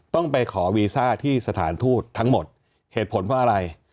ต้องไปขอวีซ่าที่สถานทูตทั้งหมดเหตุผลเพราะอะไร